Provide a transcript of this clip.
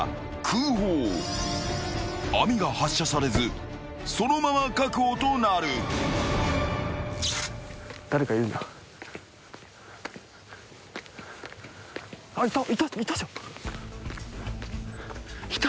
［網が発射されずそのまま確保となる］いた。